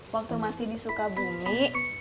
waktu mas sini suka bumi